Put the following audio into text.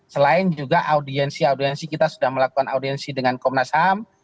selain juga audiensi audiensi kita sudah melakukan audiensi dengan komnas ham